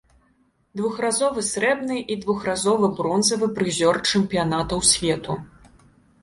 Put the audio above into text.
Двухразовы срэбны і двухразовы бронзавы прызёр чэмпіянатаў свету.